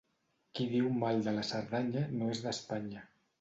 Qui diu mal de la Cerdanya no és d'Espanya.